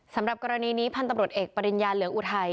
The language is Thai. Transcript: สำหรับกรณีนี้พันธุ์ตำรวจเอกปริญญาเหลืองอุทัย